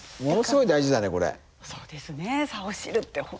そうですね。